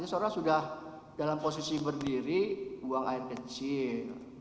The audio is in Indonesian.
itu saudara sudah dalam posisi berdiri buang air kecil